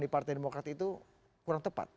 di partai demokrat itu kurang tepat